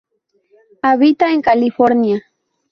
Habita en California.